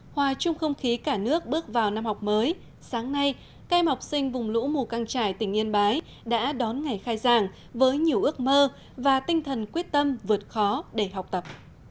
hòa chung không khí cả nước bước vào năm học mới sáng nay các em học sinh vùng lũ mù căng trải tỉnh yên bái đã đón ngày khai giảng với nhiều ước mơ và tinh thần quyết tâm vượt khó để học tập